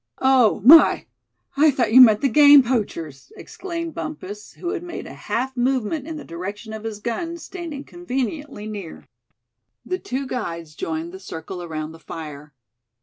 "Oh! my, I thought you meant the game poachers!" exclaimed Bumpus, who had made a half movement in the direction of his gun, standing conveniently near. The two guides joined the circle around the fire.